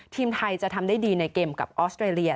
ทีมไทยจะทำได้ดีในเกมกับออสเตรเลีย